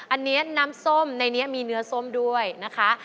อันนี้น้ำส้มในนี้มีเนื้อส้มด้วยนะคะ